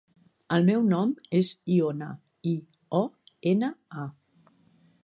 El meu nom és Iona: i, o, ena, a.